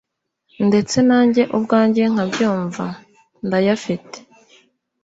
ndetse nanjye ubwanjye nkabyumva, ndayafite